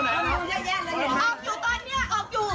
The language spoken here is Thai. น้องหญิงผุมล็อตเตอรี่เยอะมากเลยออกอยู่ตอนเนี้ยออกอยู่